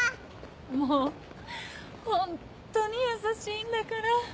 もうホントに優しいんだから。